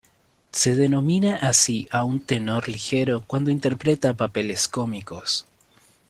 Se denomina así a un tenor ligero cuando interpreta papeles cómicos.